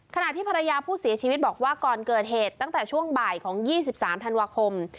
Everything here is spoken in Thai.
ขณะที่ภรรยาผู้เสียชีวิตบอกว่าก่อนเกิดเหตุตั้งแต่ช่วงบ่ายของ๒๓ธันวาคม